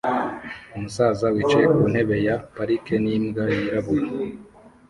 Umusaza wicaye ku ntebe ya parike n'imbwa yirabura